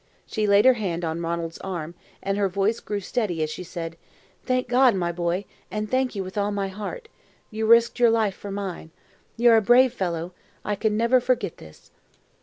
She laid her hand on Ranald's arm, and her voice grew steady as she said: "Thank God, my boy, and thank you with all my heart. You risked your life for mine. You are a brave fellow! I can never forget this!"